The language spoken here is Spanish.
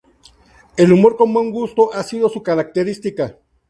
El humor con buen gusto ha sido su característica.